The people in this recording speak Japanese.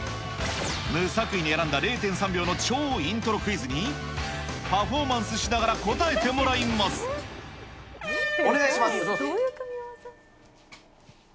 無作為に選んだ０．３秒の超イントロクイズに、パフォーマンスしお願いします。